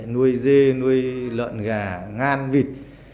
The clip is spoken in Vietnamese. nuôi dê nuôi lợn gà ngan vịt